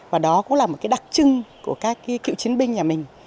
và đó cũng là một cái đặc trưng của các cựu chiến binh nhà mình